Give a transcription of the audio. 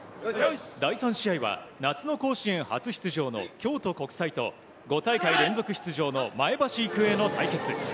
第３試合は夏の甲子園初出場の京都国際と、５大会連続出場の前橋育英の対決。